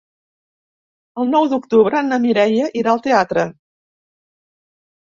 El nou d'octubre na Mireia irà al teatre.